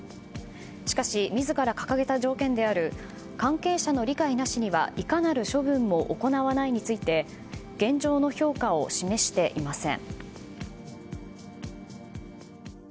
しかし自ら掲げた条件である関係者の理解なしにはいかなる処分も行わないについて現状の評価を示していません。